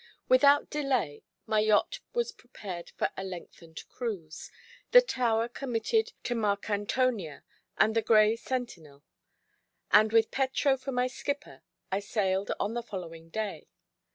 Without delay, my yacht was prepared for a lengthened cruise; the tower committed to Marcantonia and the gray sentinel; and with Petro for my skipper, I sailed on the following day.